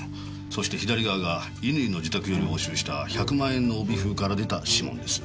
そして左側が乾の自宅より押収した１００万円の帯封から出た指紋です。